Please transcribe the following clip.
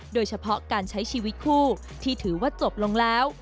โดยเฉพาะการใช้ชีวิตคู่ที่ถือว่าจบลงแล้ว